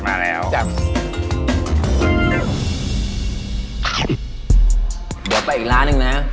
เดี๋ยวไปอีกร้านละนะ